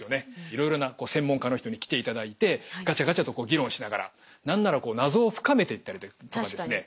いろいろな専門家の人に来ていただいてガチャガチャとこう議論しながら何ならこう謎を深めていったりとかですね